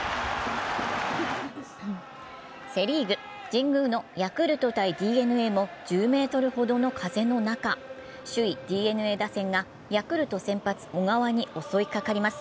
セ・リーグ、神宮のヤクルト×ＤｅＮＡも１０メートルほどの風の中、首位・ＤｅＮＡ打線がヤクルト先発・小川に襲いかかります。